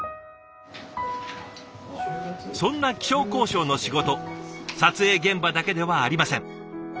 そんな気象考証の仕事撮影現場だけではありません。